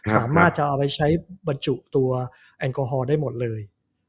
สามารถจะเอาไปใช้บรรจุตัวแอลกอฮอล์ได้หมดเลย